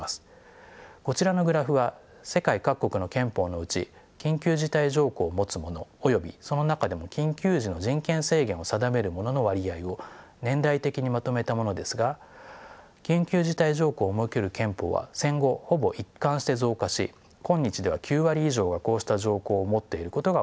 こちらのグラフは世界各国の憲法のうち緊急事態条項をもつものおよびその中でも緊急時の人権制限を定めるものの割合を年代別にまとめたものですが緊急事態条項を設ける憲法は戦後ほぼ一貫して増加し今日では９割以上がこうした条項を持っていることが分かります。